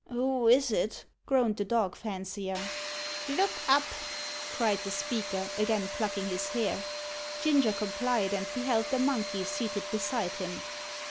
"Who is it?" groaned the dog fancier. "Look up!" cried the speaker, again plucking his hair. Ginger complied, and beheld the monkey seated beside him.